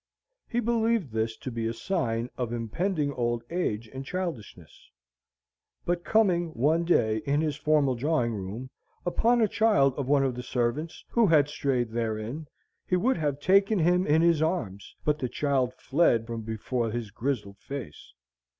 He believed this to be a sign of impending old age and childishness; but coming, one day, in his formal drawing room, upon a child of one of the servants, who had strayed therein, he would have taken him in his arms, but the child fled from before his grizzled face.